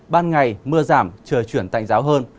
ban ngày mưa giảm trời chuyển tạnh giáo hơn